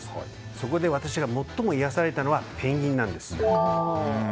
そこで私が最も癒やされたのがペンギンなんです。